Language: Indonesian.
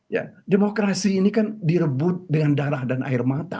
ya demokrasi ini kan direbut dengan darah dan air mata